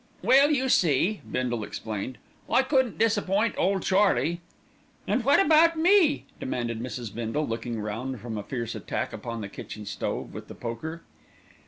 "Well, you see," Bindle explained, "I couldn't disappoint ole Charlie " "And what about me?" demanded Mrs. Bindle, looking round from a fierce attack upon the kitchen stove with the poker.